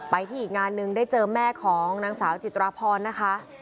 ไปที่อีกงานหนึ่งได้เจอแม่ของนางสาวจิตราพรนะคะ